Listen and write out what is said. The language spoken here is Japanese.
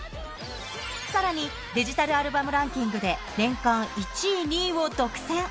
さらに、デジタルアルバムランキングで、年間１位、２位を独占。